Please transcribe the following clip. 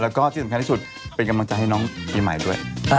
แล้วก็ที่สำคัญที่สุดเป็นกำลังใจให้น้องปีใหม่ด้วย